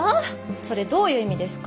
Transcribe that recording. それどういう意味ですか？